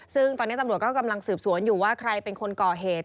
ซึ่งตอนนี้ตำรวจก็กำลังสืบสวนอยู่ว่าใครเป็นคนก่อเหตุ